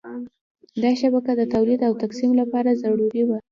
دا شبکه د تولید او تقسیم لپاره ضروري وه.